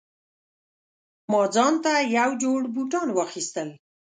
ما ځانته یو جوړ بوټان واخیستل